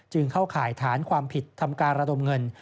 เข้าข่ายฐานความผิดทำการระดมเงิน